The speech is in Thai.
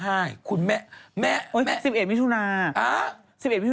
นั่นคือวันที่เท่าไหร่นะเองจี้